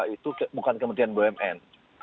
itu bukan kementerian bumn